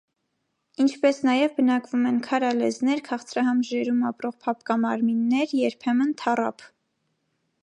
Ինչպես նաև բնակվում են քարալեզներ, քաղցրահամ ջրերում ապրող փափկամարմիններ, երբեմն՝ թառափ։